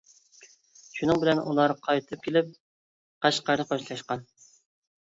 شۇنىڭ بىلەن ئۇلار قايتىپ كېلىپ، قەشقەردە خوشلاشقان.